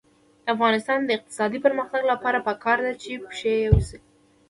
د افغانستان د اقتصادي پرمختګ لپاره پکار ده چې پشه یي وي.